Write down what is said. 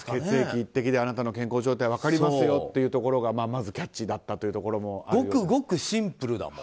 血液１滴であなたの健康状態が分かりますというところがまずキャッチーだったということもありますね。